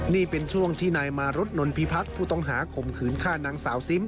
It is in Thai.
นี่เป็นช่วงที่นายมารุษนนพิพักษ์ผู้ต้องหาข่มขืนฆ่านางสาวซิม